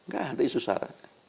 gak ada isu sara